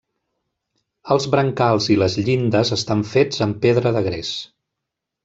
Els brancals i les llindes estan fets amb pedra de gres.